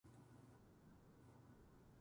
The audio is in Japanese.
顔が腫れてきた。